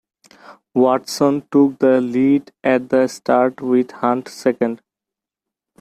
Watson took the lead at the start with Hunt second.